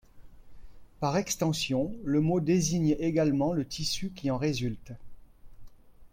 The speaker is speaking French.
Par extension, le mot désigne également le tissu qui en résulte.